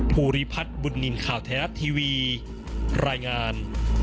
ภูริพัฒน์บุญนินทร์ข่าวไทยรัฐทีวีรายงาน